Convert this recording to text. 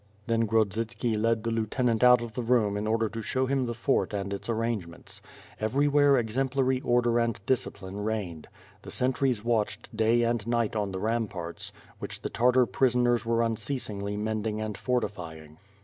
'Then Grodzitski led the lieutenant out of the room in order to show him tlie fort and its arrangements. Every where exemplary order and discipline reigned. The sentries watched day and night on the ramparts, which the Tartar prisoners were unceasingly mending and fortifying.